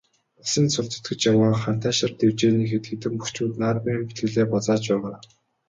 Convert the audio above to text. Улсын цолд зүтгэж яваа Хантайшир дэвжээний хэд хэдэн бөхчүүд наадмын бэлтгэлээ базааж байгаа.